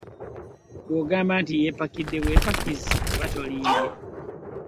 Bw'ogamba nti yeepakiddemu bwepakizi, oba tolimbye.